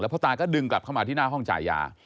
พ่อตาก็ดึงกลับเข้ามาที่หน้าห้องจ่ายยา